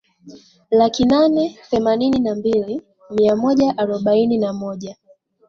laki nane themanini na mbili mia moja arobaini na moja